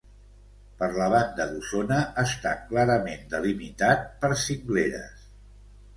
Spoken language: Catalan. Per la banda d'Osona està clarament delimitat per cingleres.